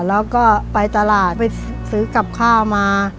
แล้วก็ไปตลาดไปซื้อกับข้าวมา